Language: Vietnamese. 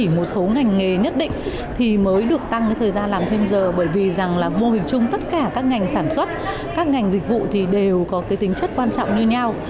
mô hình chung tất cả các ngành sản xuất các ngành dịch vụ đều có tính chất quan trọng như nhau